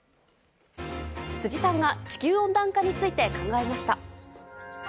辻さんが、地球温暖化について考えました。